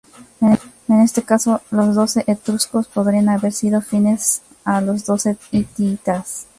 En este caso, los doce etruscos podrían haber sido afines a los doce hititas.